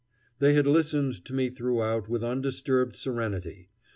They had listened to me throughout with undisturbed serenity.